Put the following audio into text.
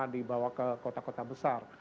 dibawa ke kota kota besar